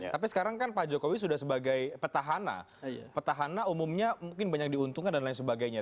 tapi sekarang kan pak jokowi sudah sebagai petahana petahana umumnya mungkin banyak diuntungkan dan lain sebagainya